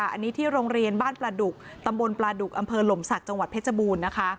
อันนี้ที่โรงเรียนบ้านปลาดุกตำบลปลาดุกอำเภอหลมศักดิ์จังหวัดเพชรบูรณ์นะคะ